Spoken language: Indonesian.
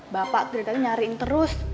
bapak dari tadi nyariin terus